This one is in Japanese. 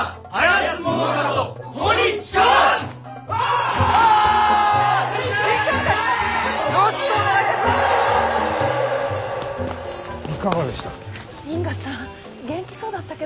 いかがでしたか。